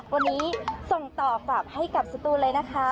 วันนี้ส่งต่อฝากให้กับสตูนเลยนะคะ